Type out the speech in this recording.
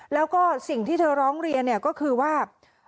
แล้วก็สิ่งที่เธอร้องเรียนเนี่ยก็คือว่า